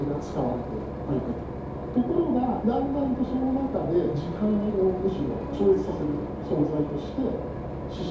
ところがだんだんとその中で時間をむしろ超越させる存在として死者を見いだす。